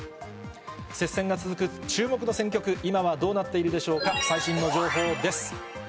接戦が続く注目の選挙区、今はどうなっているでしょうか。